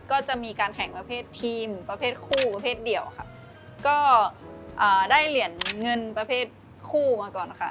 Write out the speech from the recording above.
ก็จะมีการแข่งประเภททีมประเภทคู่ประเภทเดียวค่ะก็อ่าได้เหรียญเงินประเภทคู่มาก่อนค่ะ